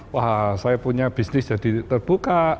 wah saya punya bisnis jadi terbuka